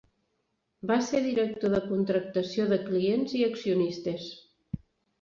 Va ser director de contractació de clients i accionistes.